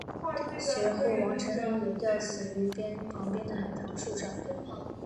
随后王承恩也吊死于旁边的海棠树上。